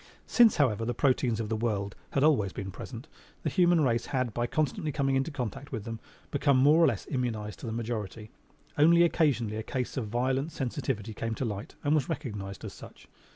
Since, however, the proteins of the world had always been present, the human race had, by constantly coming into contact with them, become more or less immunized to the majority. Only occasionally a case of violent sensitivity came to light and was recognized as such.